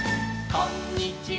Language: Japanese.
「こんにちは」「」